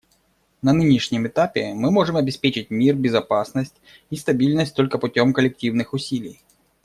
На нынешнем этапе мы можем обеспечить мир, безопасность и стабильность только путем коллективных усилий.